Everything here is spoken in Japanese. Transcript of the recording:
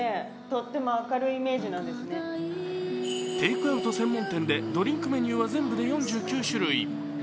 テイクアウト専門店でドリンクメニューは全部で４９種類。